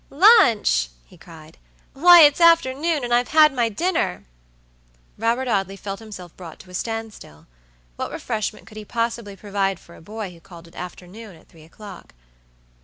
"Lunch!" he cried. "Why, it's afternoon, and I've had my dinner." Robert Audley felt himself brought to a standstill. What refreshment could he possibly provide for a boy who called it afternoon at three o'clock?